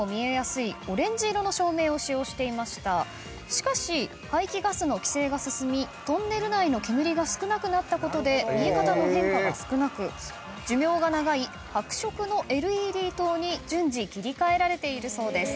しかし排気ガスの規制が進みトンネル内の煙が少なくなったことで見え方の変化が少なく寿命が長い白色のＬＥＤ灯に順次切り替えられているそうです。